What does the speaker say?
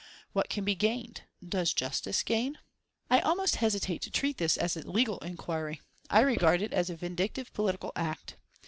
What can be gained? Does justice gain? "I almost hesitate to treat this as a legal inquiry. I regard it as a vindictive political act.